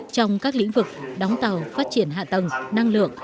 trong các lĩnh vực đóng tàu phát triển hạ tầng năng lượng